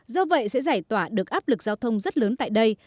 do vậy sẽ giải tỏa được áp lực giao thông rất lớn tại đây